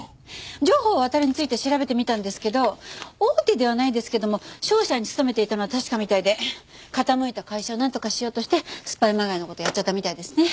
城宝渉について調べてみたんですけど大手ではないですけども商社に勤めていたのは確かみたいで傾いた会社をなんとかしようとしてスパイまがいの事やっちゃったみたいですね。